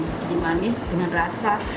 jadi manis dengan rasa